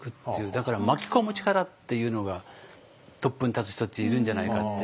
だから巻き込む力っていうのがトップに立つ人っているんじゃないかって。